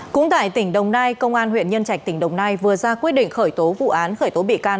cũng tại tỉnh đồng nai công an huyện nhân trạch tỉnh đồng nai vừa ra quyết định khởi tố vụ án khởi tố bị can